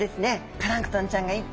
プランクトンちゃんがいっぱい。